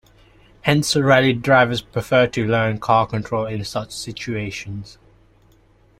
Hence, rally drivers prefer to learn car control in such situations.